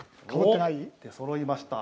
出そろいました。